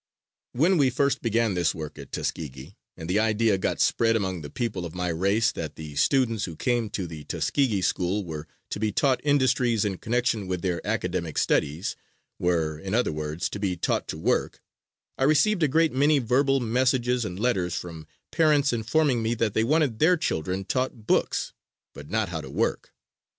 When we first began this work at Tuskegee, and the idea got spread among the people of my race that the students who came to the Tuskegee school were to be taught industries in connection with their academic studies, were, in other words, to be taught to work, I received a great many verbal messages and letters from parents informing me that they wanted their children taught books, but not how to work.